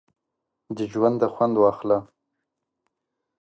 د ژونده خوند واخله!